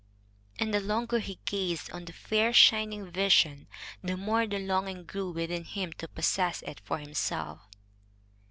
And the longer he gazed on the fair, shining vision, the more the longing grew within him to possess it for himself.